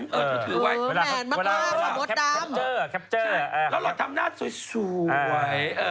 แผนมากบนตามแล้วหล่อนทำหน้าสวยไว้